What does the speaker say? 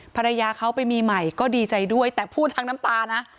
ภรรยาเขาไปมีใหม่ก็ดีใจด้วยแต่พูดทั้งน้ำตานะ